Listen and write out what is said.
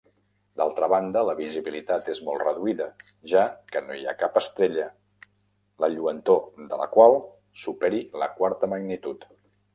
D'altra banda, la visibilitat és molt reduïda, ja que no hi ha cap estrella la lluentor de la qual superi la quarta magnitud.